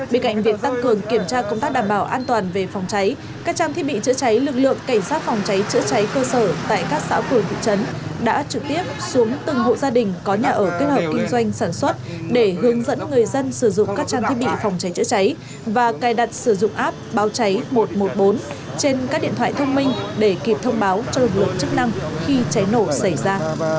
bên cạnh viện tăng cường kiểm tra công tác đảm bảo an toàn về phòng cháy các trang thiết bị chữa cháy lực lượng cảnh sát phòng cháy chữa cháy cơ sở tại các xã phường thị trấn đã trực tiếp xuống từng hộ gia đình có nhà ở kết hợp kinh doanh sản xuất để hướng dẫn người dân sử dụng các trang thiết bị phòng cháy chữa cháy và cài đặt sử dụng app báo cháy một trăm một mươi bốn trên các điện thoại thông minh để kịp thông báo cho lực lượng chức năng khi cháy nổ xảy ra